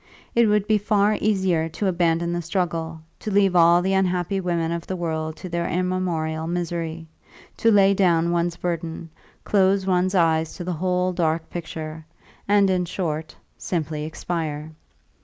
It would be far easier to abandon the struggle, to leave all the unhappy women of the world to their immemorial misery, to lay down one's burden, close one's eyes to the whole dark picture, and, in short, simply expire.